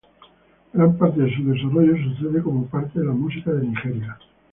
Gran parte de su desarrollo sucede como parte de la música de Nigeria.